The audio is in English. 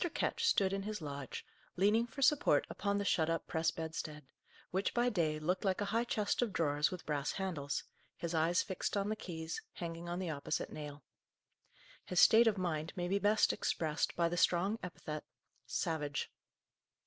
Ketch stood in his lodge, leaning for support upon the shut up press bedstead, which, by day, looked like a high chest of drawers with brass handles, his eyes fixed on the keys, hanging on the opposite nail. His state of mind may be best expressed by the strong epithet, "savage."